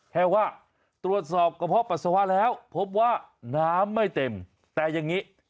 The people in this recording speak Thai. แค่ว่าตรวจสอบกระเพาะปัสสาวะแล้วพบว่าน้ำไม่เต็มแต่อย่างนี้